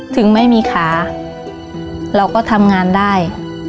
ถึงไม่มีขาเราก็ทำงานได้